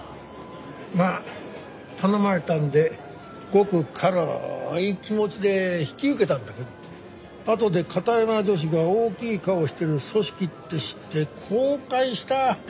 まあ頼まれたんでごく軽い気持ちで引き受けたんだけどあとで片山女史が大きい顔してる組織って知って後悔した！